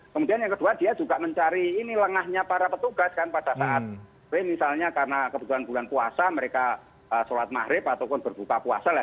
kemudian yang kedua dia juga mencari ini lengahnya para petugas kan pada saat misalnya karena kebetulan bulan puasa mereka sholat maghrib ataupun berbuka puasa lah